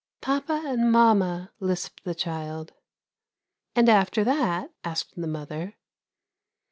"Papa and mamma," lisped the child. "And after that?" asked the mother.